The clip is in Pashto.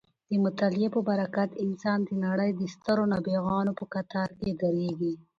د مطالعې په برکت انسان د نړۍ د سترو نابغانو په کتار کې درېږي.